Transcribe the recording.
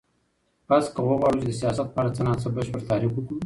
پس که وغواړو چی د سیاست په اړه څه نا څه بشپړ تعریف وکړو